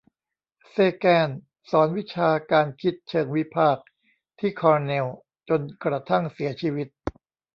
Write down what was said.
เซแกนสอนวิชาการคิดเชิงวิพากษ์ที่คอร์เนลจนกระทั่งเสียชีวิต